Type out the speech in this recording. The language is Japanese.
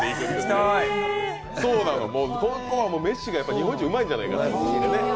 ここはメシが日本一うまいんじゃないかなと。